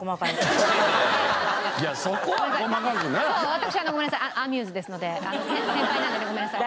私ごめんなさいアミューズですので先輩なのでごめんなさい。